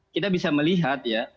kita bisa melihat ya